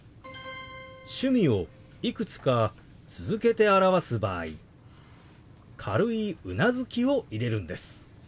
趣味をいくつか続けて表す場合軽いうなずきを入れるんです。